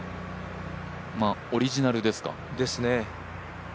オリジナルですか。